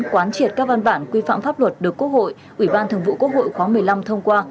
quán triệt các văn bản quy phạm pháp luật được quốc hội ủy ban thường vụ quốc hội khóa một mươi năm thông qua